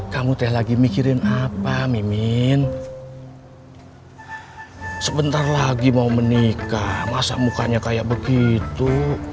kamu teh lagi mikirin apa mimin sebentar lagi mau menikah masa mukanya kayak begitu